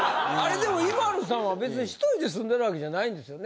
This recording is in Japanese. でもＩＭＡＬＵさんは別に１人で住んでる訳じゃないんですよね？